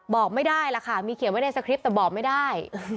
บอกไม่ได้ล่ะค่ะมีเขียนไว้ในสคริปต์แต่บอกไม่ได้